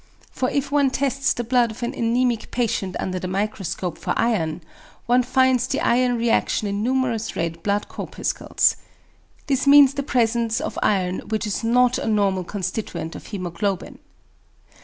For if one tests the blood of an anæmic patient under the microscope for iron one finds the iron reaction in numerous red blood corpuscles. This means the presence of iron which is not a normal constituent of hæmoglobin.